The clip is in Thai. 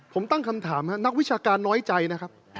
ผมตั้งคำถามนักวิชาการน้อยใจนะครับ